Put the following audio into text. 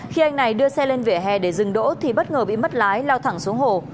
khi anh này đưa xe lên vỉa hè để dừng đỗ thì bất ngờ bị mất lái lao thẳng xuống hồ